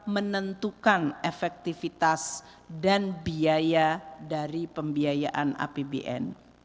menentukan efektivitas dan biaya dari pembiayaan apbn